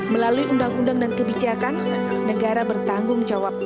melalui undang undang dan kebijakan negara bertanggung jawab